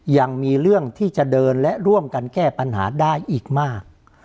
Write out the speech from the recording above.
ยังมีเรื่องที่จะเดินและร่วมกันแก้ปัญหาได้อีกมาก